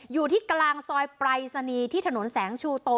อยู่ที่กลางซอยปรายศนีย์ที่ถนนแสงชูโต